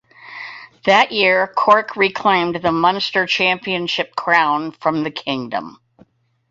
That year Cork reclaimed the Munster Championship crown from the Kingdom.